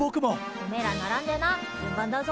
おめえら並んでな順番だぞ。